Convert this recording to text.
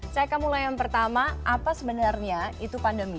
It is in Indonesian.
saya akan mulai yang pertama apa sebenarnya itu pandemi